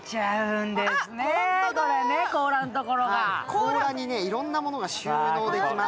甲羅にいろんなものが収納できます。